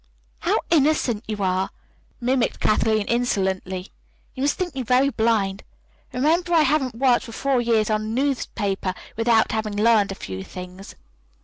"How innocent you are!" mimicked Kathleen insolently. "You must think me very blind. Remember, I haven't worked for four years on a newspaper without having learned a few things."